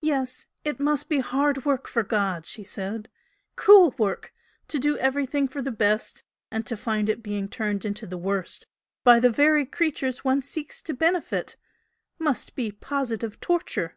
"Yes! it must be hard work for God!" she said "Cruel work! To do everything for the best and to find it being turned into the worst by the very creatures one seeks to benefit, must be positive torture!